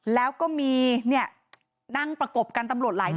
แล้วก็มีเนี่ยนั่งประกบกันตำรวจหลายนาย